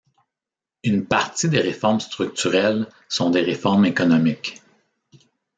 Une partie des réformes structurelles sont des réformes économiques.